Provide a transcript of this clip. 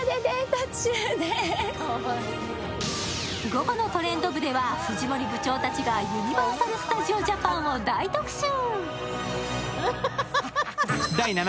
午後の「トレンド部」では藤森部長たちがユニバーサル・スタジオ・ジャパンを大特集。